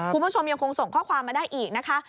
คุณผู้ชมยังคงส่งข้อความมาได้อีกนะคะ